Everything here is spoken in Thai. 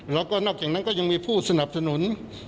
แล้วก็นอกจากนั้นก็ยังมีผู้สนับสนุน